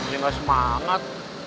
ini gak semangat